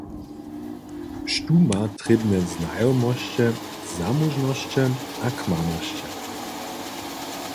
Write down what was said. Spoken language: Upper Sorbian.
Štó ma trěbne znajomosće, zamóžnosće a kmanosće?